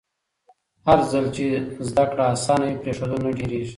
هرځل چې زده کړه اسانه وي، پرېښودل نه ډېرېږي.